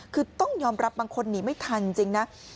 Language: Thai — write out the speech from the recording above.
คือต้องยอมรับบางคนหนีไม่ทันจริงนะ